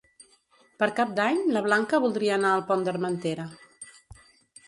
Per Cap d'Any na Blanca voldria anar al Pont d'Armentera.